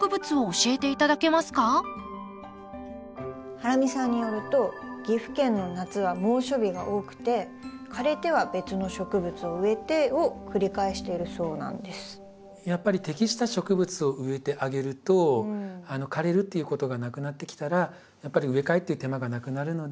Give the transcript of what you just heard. ハラミさんによるとやっぱり適した植物を植えてあげると枯れるっていうことがなくなってきたらやっぱり植え替えっていう手間がなくなるので。